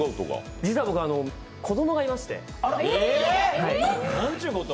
実は僕、子供がいまして。